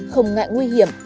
không ngại nguy hiểm